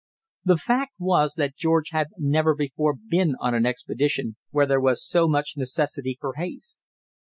The fact was that George had never before been on an expedition where there was so much necessity for haste.